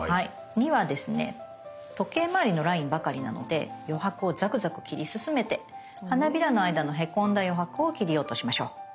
２はですね時計まわりのラインばかりなので余白をザクザク切り進めて花びらの間のへこんだ余白を切り落としましょう。